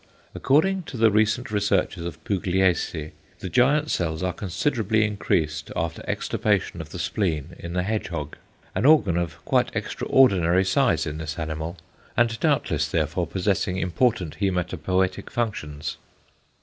According to the recent researches of Pugliese the giant cells are considerably increased after extirpation of the spleen in the hedgehog; an organ of quite extraordinary size in this animal and doubtless therefore possessing important hæmatopoietic functions.